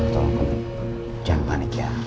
tolong aku jangan panik ya